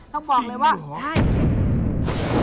จริงหรอ